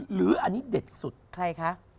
หรืออันนี้เด็ดสุดใครคะ